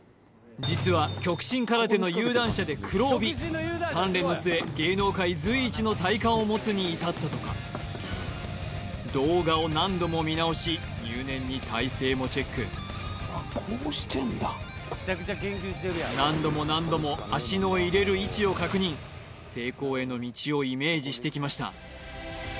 実は極真空手の有段者で黒帯鍛錬の末芸能界随一の体幹を持つに至ったとか動画を何度も見直し入念に体勢もチェック何度も何度も足の入れる位置を確認成功への道をイメージしてきました